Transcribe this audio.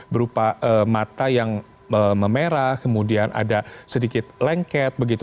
berupa mata yang memerah kemudian ada sedikit lengket begitu